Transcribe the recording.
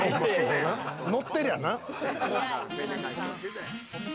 乗ってりゃな。